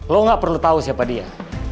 lo gak perlu tahu siapa dia